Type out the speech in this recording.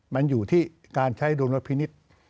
มันอยู่ที่การใช้ดุลพินิษฐ์